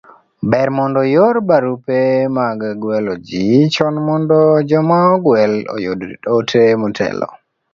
ber mondo ior barupe mag gwelo ji chon mondo joma ogwel oyud ote motelo